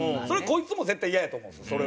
それはこいつも絶対イヤやと思うんですよ